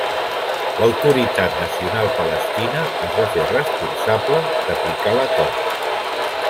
L'Autoritat Nacional Palestina es va fer responsable d'aplicar l'acord.